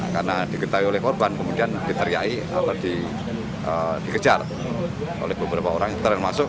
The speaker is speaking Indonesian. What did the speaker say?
karena diketahui oleh korban kemudian diteriakai atau dikejar oleh beberapa orang yang terlalu masuk